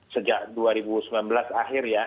sejak dua ribu sembilan belas akhir ya